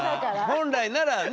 本来ならね。